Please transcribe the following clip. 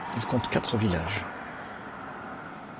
Elle compte quatre villages.